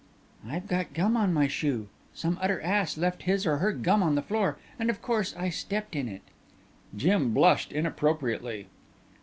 "I've got gum on my shoe. Some utter ass left his or her gum on the floor and of course I stepped in it." Jim blushed, inappropriately.